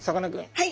はい。